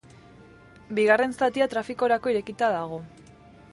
Bigarren zatia trafikorako irekita dago.